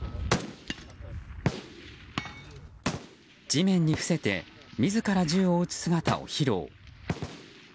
地面に伏せて自ら銃を撃つ姿を披露。